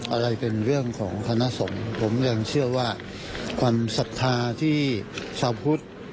อะไรเป็นเรื่องของคณะสงฆ์ผมยังเชื่อว่าความศรัทธาที่ชาวพุทธ